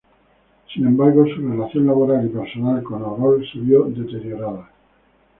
Sin embargo, su relación laboral y personal con Orol se vio deteriorada.